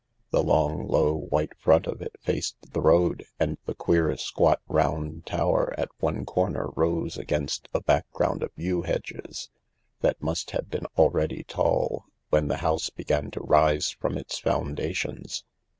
The long, low, white front of it faced the road, and the queer, squat, round tower at one corner rose against a background of yew hedges that must have been already tall when the house began to rise from its foundations.